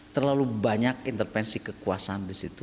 terlalu banyak intervensi kekuasaan di situ